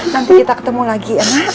nanti kita ketemu lagi